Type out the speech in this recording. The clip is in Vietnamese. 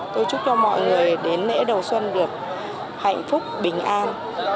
tôi chúc cho mọi người đến lễ đầu xuân được hạnh phúc bình an